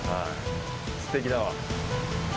すてきだわ。